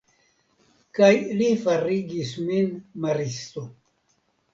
Kaj li farigis min maristo.